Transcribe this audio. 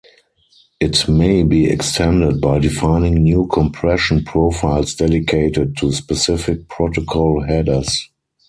It may be extended by defining new compression profiles dedicated to specific protocol headers.